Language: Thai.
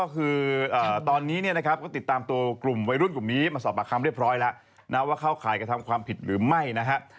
ซึ่งกำลังสอบติดตามตัวกลุ่มไว้รุ่นมาสอบปากคำเรียบพร้อยนะ